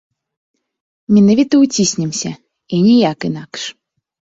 Менавіта ўціснемся, і ніяк інакш.